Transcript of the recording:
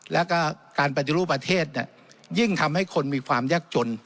แล้วก็การปฏิรูปประเทศยิ่งทำให้คนมีความยากจน